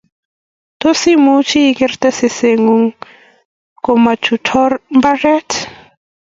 tos imuch ikerte seset ng'ung ko ma chutu mbaret